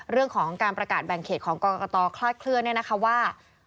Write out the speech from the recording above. เรื่องของการประกาศแบ่งเขตของกรกตคลาดเคลื่อนเนี่ยนะคะว่า